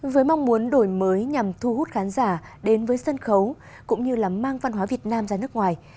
với mong muốn đổi mới nhằm thu hút khán giả đến với sân khấu cũng như là mang văn hóa việt nam ra nước ngoài